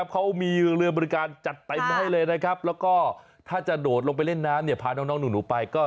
ก็มีเรือบริการจัดใหม่ก็โดดลงว่าเธอน้ำเพาร่วมควรพาน้องไป